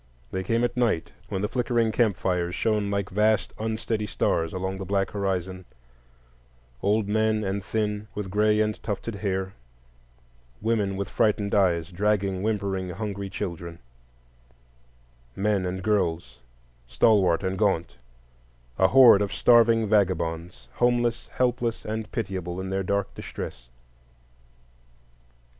They came at night, when the flickering camp fires shone like vast unsteady stars along the black horizon: old men and thin, with gray and tufted hair; women with frightened eyes, dragging whimpering hungry children; men and girls, stalwart and gaunt,—a horde of starving vagabonds, homeless, helpless, and pitiable, in their dark distress.